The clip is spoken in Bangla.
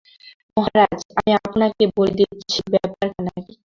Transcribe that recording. মহারাজ, আমি আপনাকে বলে দিচ্ছি ব্যাপার-খানা কী।